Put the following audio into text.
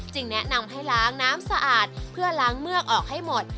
แนะนำให้ล้างน้ำสะอาดเพื่อล้างเมือกออกให้หมด